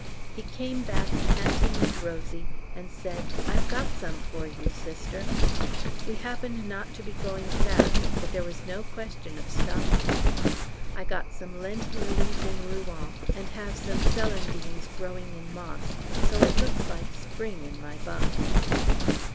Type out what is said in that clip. He came back panting and rosy, and said, "I've got some for you, Sister!" We happened not to be going fast, but there was no question of stopping. I got some Lent lilies in Rouen, and have some celandines growing in moss, so it looks like spring in my bunk.